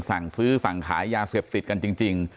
สั่งซื้อสั่งขายยาเสพติดกันจริง